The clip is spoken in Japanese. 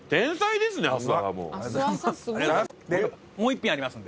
でもう一品ありますんで。